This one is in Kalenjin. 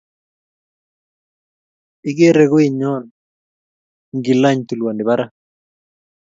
Igere goinyon ngilany tulwoni barak.